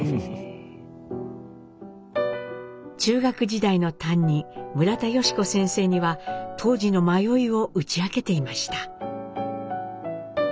中学時代の担任村田芳子先生には当時の迷いを打ち明けていました。